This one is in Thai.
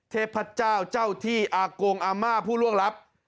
เทพเจ้าเจ้าที่อากงอาม่าผู้ล่วงลับ